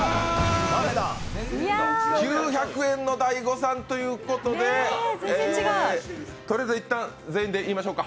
９００円の大誤算ということで、とりあえず一旦、全員で言いましょか。